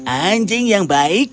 anjing yang baik